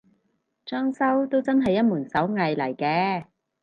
裝修都真係一門手藝嚟嘅